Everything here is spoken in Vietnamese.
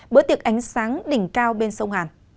bữa tiệc ánh sáng đỉnh cao bên sông hàn